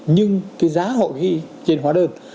nhưng cái giá họ ghi trên hóa đơn